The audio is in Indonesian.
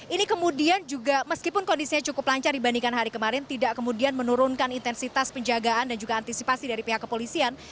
ini kemudian juga meskipun kondisinya cukup lancar dibandingkan hari kemarin tidak kemudian menurunkan intensitas penjagaan dan juga antisipasi dari pihak kepolisian